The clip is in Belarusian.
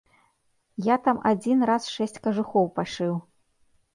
Я там адзін раз шэсць кажухоў пашыў.